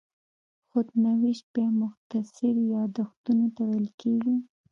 خود نوشت بیا مختصر یادښتونو ته ویل کېږي.